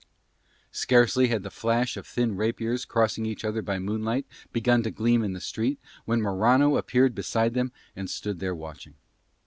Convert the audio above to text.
Scarcely had the flash of thin rapiers crossing each other by moonlight begun to gleam in the street when Morano appeared beside them and stood there watching.